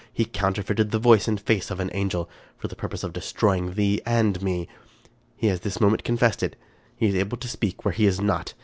He counterfeited the voice and face of an angel, for the purpose of destroying thee and me. He has this moment confessed it. He is able to speak where he is not.